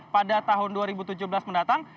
pada tahun dua ribu tujuh belas mendatang